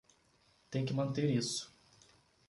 Tem que manter isso